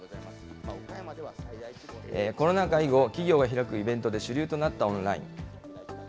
コロナ禍以後、企業が開くイベントで主流となったオンライン。